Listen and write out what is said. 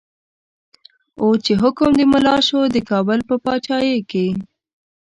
اوس چه حکم د ملا شو، دکابل په پاچایی کی